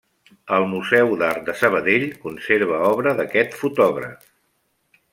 El Museu d'Art de Sabadell conserva obra d'aquest fotògraf.